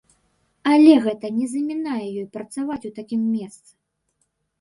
Але гэта не замінае ёй працаваць у такім месцы!